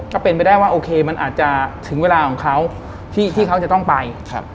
ก็เป็นไปได้ว่าโอเคมันอาจจะถึงเวลาของเขาที่เขาจะต้องไป